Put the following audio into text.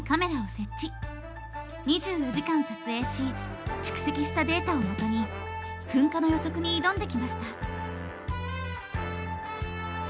２４時間撮影し蓄積したデータをもとに噴火の予測に挑んできました。